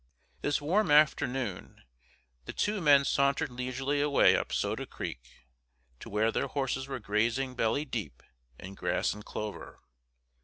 This warm afternoon the two men sauntered leisurely away up Soda Creek to where their horses were grazing belly deep in grass and clover.